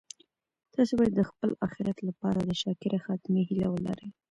تاسي باید د خپل اخیرت لپاره د شاکره خاتمې هیله ولرئ.